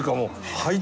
はい。